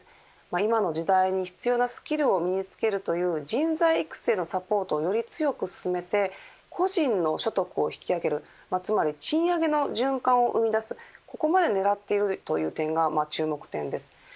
今の時代に必要なスキルを身に付けるという人材育成のサポートをより強く勧めて個人の所得を引き上げるつまり賃上げの循環を生み出すここまで狙っているという点が注目点です。